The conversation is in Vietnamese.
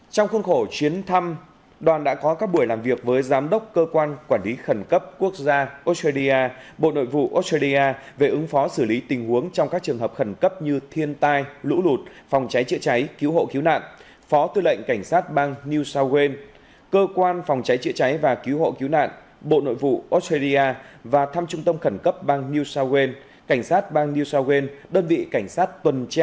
trong khuôn khổ chuyến thăm đoàn đã có các buổi làm việc với giám đốc cơ quan quản lý khẩn cấp quốc gia australia bộ nội vụ australia về ứng phó xử lý tình huống trong các trường hợp khẩn cấp như thiên tai lũ lụt phòng cháy trịa cháy cứu hộ cứu nạn phó tư lệnh cảnh sát bang new south wales cơ quan phòng cháy trịa cháy và cứu hộ cứu nạn bộ nội vụ australia và thăm trung tâm khẩn cấp bang new south wales cảnh sát bang new south wales đơn vị cảnh sát bộ nội vụ australia